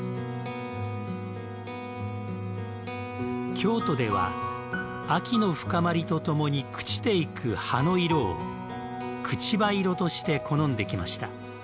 京都では、秋の深まりとともに朽ちていく葉の色を朽葉色として好んできました。